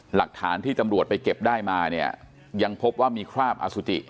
หลักฐานที่ตำรวจไปเก็บได้มาเนี่ยยังพบว่ามีคราบอสุจิ